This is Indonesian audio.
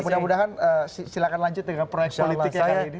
mudah mudahan silahkan lanjut dengan proyek politiknya kali ini